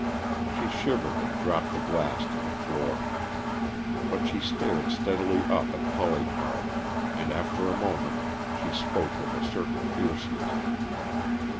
She shivered and dropped the glass to the floor. But she stared steadily up at Polycarp, and after a moment she spoke with a certain fierceness.